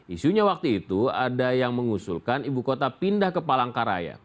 isunya waktu itu ada yang mengusulkan ibu kota pindah ke palangkaraya